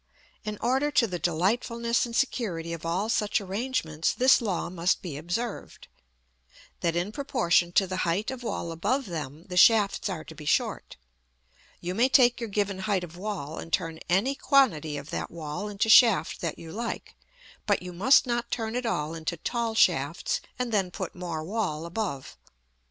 In order to the delightfulness and security of all such arrangements, this law must be observed: that in proportion to the height of wall above them, the shafts are to be short. You may take your given height of wall, and turn any quantity of that wall into shaft that you like; but you must not turn it all into tall shafts, and then put more wall above.